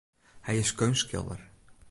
Hy is keunstskilder.